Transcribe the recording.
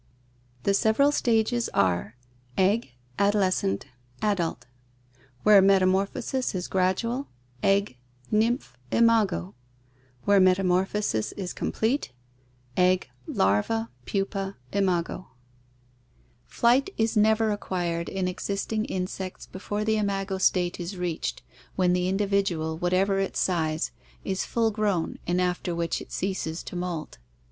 The several stages are: Egg adolescent adult Where metamorphosis is gradual Egg I nymph I imago Where metamorphosis is complete Egg I larva pupa I imago Flight is never acquired in existing insects before the imago state is reached, when the individual, whatever its size, is full grown and after which it ceases to molt.